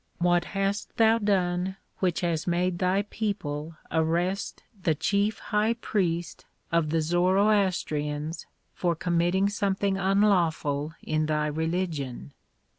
What hast thou done which has made thy people arrest the chief high priest of the Zoroastrians for committing something unlawful in thy religion?"